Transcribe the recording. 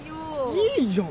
いいじゃん！